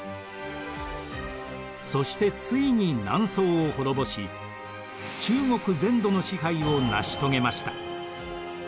そしてついに南宋を滅ぼし中国全土の支配を成し遂げました。